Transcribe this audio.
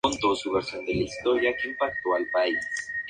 La música del Tea Party se hace más orquestal conservando la base del blues.